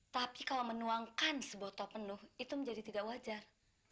tapi kalau menuangkan seboto penuh itu menjadi tidak wajar